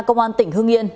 công an tỉnh hương yên